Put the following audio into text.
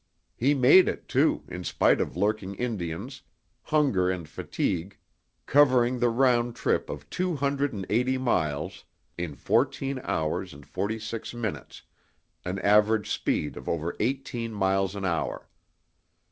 He made it, too, in spite of lurking Indians, hunger and fatigue, covering the round trip of two hundred and eighty miles in fourteen hours and forty six minutes an average speed of over eighteen miles an hour.